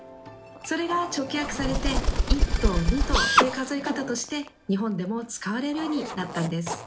それが直訳されて１頭２頭という数え方として日本でも使われるようになったんです。